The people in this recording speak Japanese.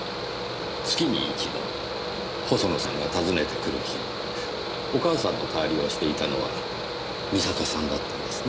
月に一度細野さんが訪ねて来る日お母さんの代わりをしていたのは美里さんだったんですね？